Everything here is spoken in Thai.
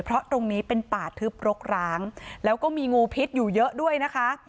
เพราะตรงนี้เป็นป่าทึบรกร้างแล้วก็มีงูพิษอยู่เยอะด้วยนะคะ